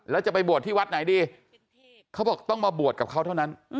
แล้วจะไปบวชที่วัดไหนดีเขาบอกต้องมาบวชกับเขาเท่านั้น